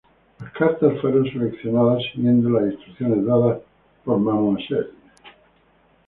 Las cartas fueron seleccionadas siguiendo las instrucciones dadas por Mme.